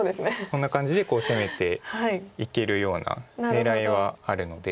こんな感じで攻めていけるような狙いはあるので。